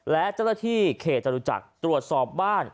และเจ้าหน้าที่เขตจรุจักรตรวจสอบบ้าน